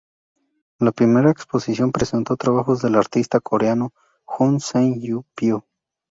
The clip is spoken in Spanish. La primera exposición presentó trabajos del artista coreano Hong Seung-pyo.